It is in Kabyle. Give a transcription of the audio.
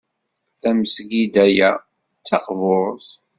Tamesgida-a d taqburt.